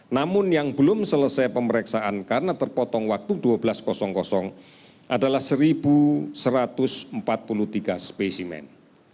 namun yang belum selesai pemeriksaan karena terpotong waktu dua belas adalah satu satu ratus empat puluh tiga spesimen